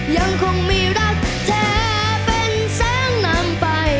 ยังคงมีรักแท้เป็นแสงนำไป